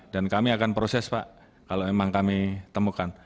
dan kami akan proses pak kalau memang kami temukan